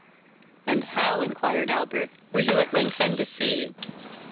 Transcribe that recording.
"And how (inquired Albert) were you at length undeceived?"